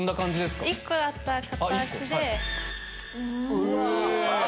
うわ！